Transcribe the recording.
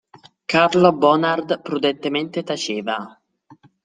Carlo Bonard prudentemente taceva.